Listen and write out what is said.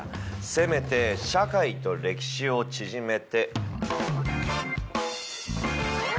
せめて社会と歴史を縮めて。